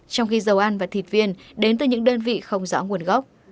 trong khi dầu ăn và thịt viên đến từ những đơn vị không rõ nguồn gốc